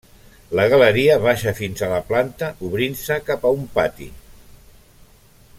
La galeria baixa fins a la planta obrint-se cap a un pati.